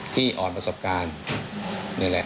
ที่อ่อนประสบการณ์